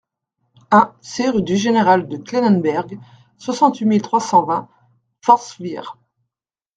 un C rue du Général de Kleinenberg, soixante-huit mille trois cent vingt Fortschwihr